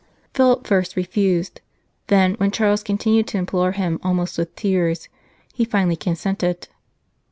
Philip first refused ; then, when Charles continued to implore him almost with tears, he finally consented.